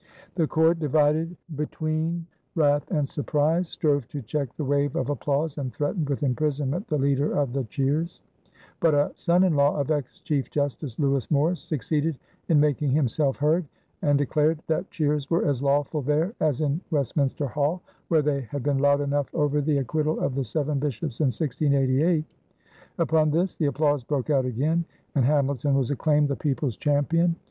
The Court, divided between wrath and surprise, strove to check the wave of applause and threatened with imprisonment the leader of the cheers; but a son in law of ex Chief Justice Lewis Morris succeeded in making himself heard, and declared that cheers were as lawful there as in Westminster Hall, where they had been loud enough over the acquittal of the seven bishops in 1688. Upon this the applause broke out again, and Hamilton was acclaimed the people's champion.